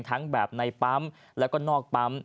ทั้งแบบในปั๊มแล้วก็นอกปั๊ม